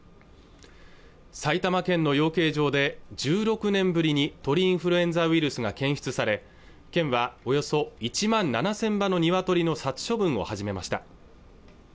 埼玉県の養鶏場で１６年ぶりに鳥インフルエンザウイルスが検出され県はおよそ１万７０００羽のニワトリの殺処分を始めました